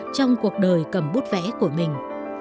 trong cuộc đời cầm bút vẽ của mình